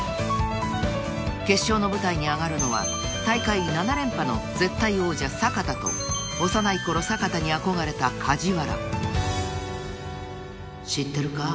［決勝の舞台に上がるのは大会７連覇の絶対王者坂田と幼いころ坂田に憧れた梶原］